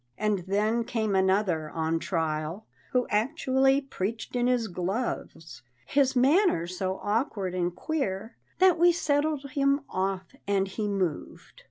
And then came another, on trial, Who actually preached in his gloves, His manner so awkward and queer, That we settled him off and he moved.